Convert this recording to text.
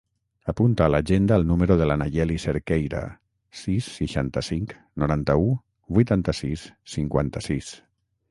Apunta a l'agenda el número de la Nayeli Cerqueira: sis, seixanta-cinc, noranta-u, vuitanta-sis, cinquanta-sis.